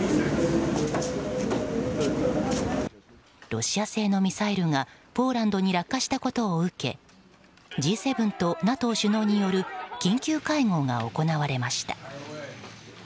ロシア製のミサイルがポーランドに落下したことを受けＧ７とＮＡＴＯ首脳による緊急会合が行われました。